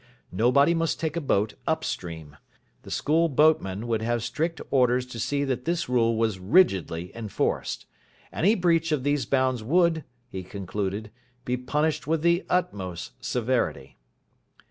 Nobody must take a boat up stream. The school boatman would have strict orders to see that this rule was rigidly enforced. Any breach of these bounds would, he concluded, be punished with the utmost severity.